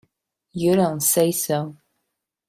You don't say so!